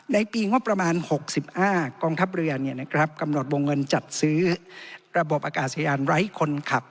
ในปีงบประมาณ๖๕กองทัพเรือกำหนดวงเงินจัดซื้อระบบอากาศยานไร้คนขับ